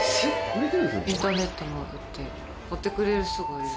インターネットも売って買ってくれる人がいる。